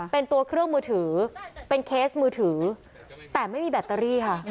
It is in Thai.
เป็นตัวเครื่องมือถือเป็นเคสมือถือแต่ไม่มีแบตเตอรี่ค่ะ